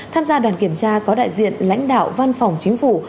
tham gia đoàn kiểm tra có đại diện lãnh đạo văn phòng chính phủ